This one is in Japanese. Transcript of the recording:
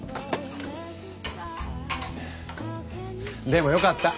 でもよかった。